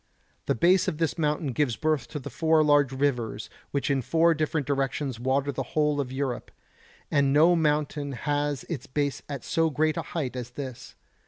The base of this mountain gives birth to the four large rivers which in four different directions water the whole of Europe; and no mountain has its base at so great a height as this.